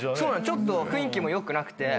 ちょっと雰囲気もよくなくて。